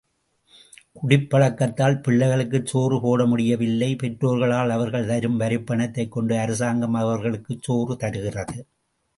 குடிப்பழக்கத்தால் பிள்ளைகளுக்குச் சோறு போடமுடியவில்லை பெற்றோர்களால் அவர்கள் தரும் வரிப்பணத்தைக் கொண்டு அரசாங்கம் அவர்களுக்குச் சோறு தருகிறது.